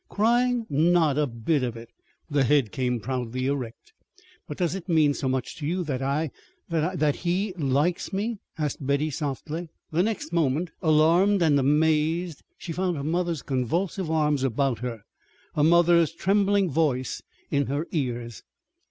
"Crying? Not a bit of it!" The head came proudly erect. "But does it mean so much to you that I that I that he likes me?" asked Betty softly. The next moment, alarmed and amazed, she found her mother's convulsive arms about her, her mother's trembling voice in her ears.